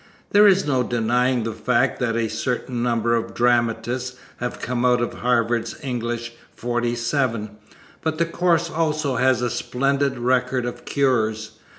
There is no denying the fact that a certain number of dramatists have come out of Harvard's English 47, but the course also has a splendid record of cures.